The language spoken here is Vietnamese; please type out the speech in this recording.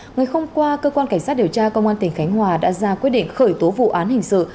ngày hôm qua cơ quan cảnh sát điều tra công an tỉnh khánh hòa đã ra quyết định khởi tố vụ án hình sự